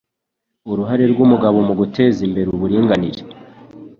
Uruhare rw' umugabo mu guteza imbere uburinganire